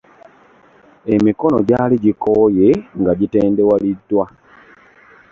Emikono gyali jikooye nga jitendewaliddwa .